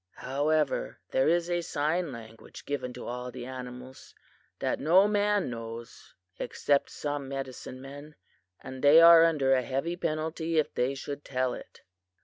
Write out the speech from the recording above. However, there is a sign language given to all the animals that no man knows except some medicine men, and they are under a heavy penalty if they should tell it.